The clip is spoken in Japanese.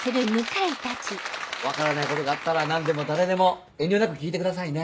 分からないことがあったら何でも誰でも遠慮なく聞いてくださいね。